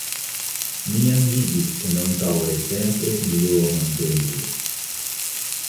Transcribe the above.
Mi jam vidis en antaŭaj tempoj milionon da ili .